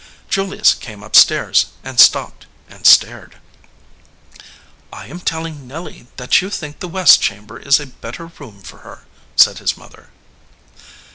Julius came up stairs, and stopped and stared. "I am telling Nelly that you think the west chamber is a better room for her," said his mother.